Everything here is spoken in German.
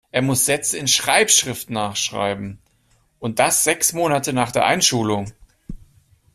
Er muss Sätze in Schreibschrift nachschreiben. Und das sechs Monate nach der Einschulung.